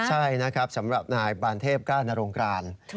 ใช่สำหรับบาลเทพก็นรงกราญ